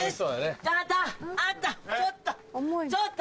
ちょっと！